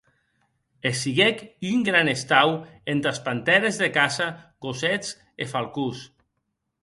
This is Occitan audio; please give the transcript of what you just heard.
E siguec un gran hestau entàs pantères de caça, gossets e falcons.